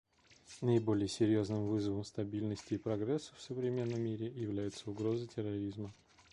Наиболее серьезным вызовом стабильности и прогрессу в современном мире является угроза терроризма.